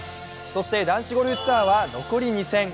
そして男子ゴルフツアーは残り２戦。